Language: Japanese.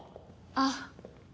あっ。